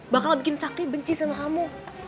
bakal bikin sakti benci sama kamu